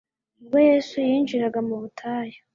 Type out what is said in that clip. Ubwo Yesu yinjiraga mu butayu